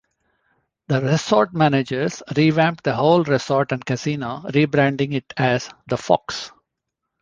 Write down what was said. The resort managers revamped the whole resort and casino, rebranding it as "The Fox".